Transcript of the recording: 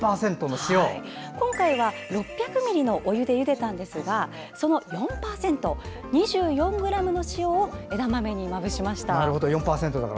今回は６００ミリのお湯でゆでたんですがその４％、２４ｇの塩を枝豆にまぶしました。